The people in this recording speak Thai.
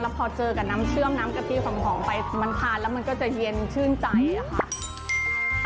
พอเจอกับน้ำเชื่อมน้ำกะทิหอมไปมันทานแล้วมันก็จะเย็นชื่นใจค่ะ